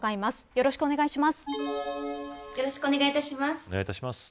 よろしくお願いします。